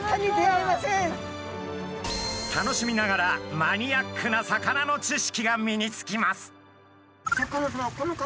楽しみながらマニアックな魚の知識が身につきます。